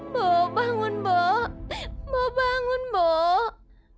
mbok bangun mbok mbok bangun mbok